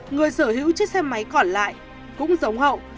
người sở hữu chiếc xe máy còn lại cũng giống hậu